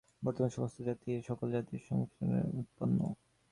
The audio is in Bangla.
বর্তমান সমস্ত জাতিই এই সকল জাতির সংমিশ্রণে উৎপন্ন।